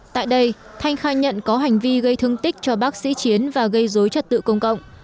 tại đây thanh khai nhận có hành vi gây thương tích cho bác sĩ chiến và gây dối trật tự công cộng